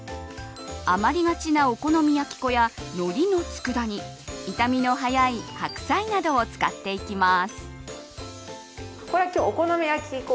余りがちな、お好み焼き粉やのりの佃煮傷みの早い白菜などを使っていきます。